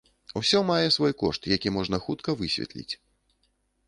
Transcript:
Усё мае свой кошт, які можна хутка высветліць.